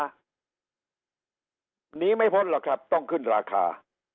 หนีไม่พ้นหรอกครับต้องขึ้นราคา